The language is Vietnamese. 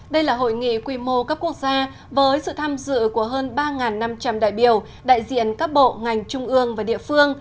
đây là hội nghị quy mô cấp quốc gia với sự tham dự của hơn ba năm trăm linh đại biểu đại diện các bộ ngành trung ương và địa phương